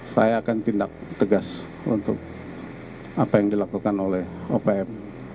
saya akan tindak tegas untuk apa yang dilakukan oleh opm